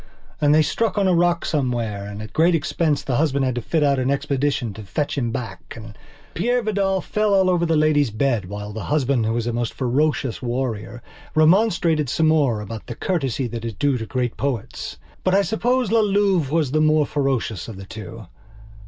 And they struck on a rock somewhere, and, at great expense, the husband had to fit out an expedition to fetch him back. And Peire Vidal fell all over the Lady's bed while the husband, who was a most ferocious warrior, remonstrated some more about the courtesy that is due to great poets. But I suppose La Louve was the more ferocious of the two.